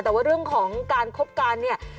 แต่ว่าเรื่องของการคบกันเนี่ย